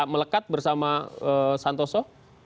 melekat bersama santoso